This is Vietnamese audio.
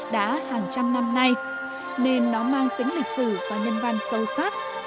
đã hàng trăm năm nay nên nó mang tính lịch sử và nhân văn sâu sắc